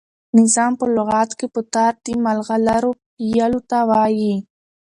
نظام په لغت کښي په تار د ملغلرو پېیلو ته وايي.